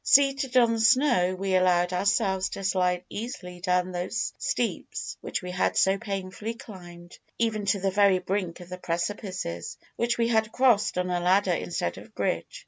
Seated on the snow, we allowed ourselves to slide easily down those steeps which we had so painfully climbed, even to the very brink of the precipices, which we had crossed on a ladder instead of bridge.